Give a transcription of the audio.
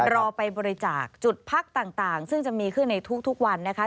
รอไปบริจาคจุดพักต่างซึ่งจะมีขึ้นในทุกวันนะคะ